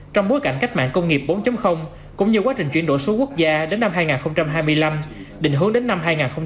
trong bối cảnh cách mạng công nghiệp bốn cũng như quá trình chuyển đổi số quốc gia đến năm hai nghìn hai mươi năm định hướng đến năm hai nghìn ba mươi